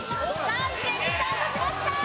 一斉にスタートしました！